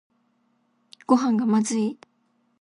ごはんがまずい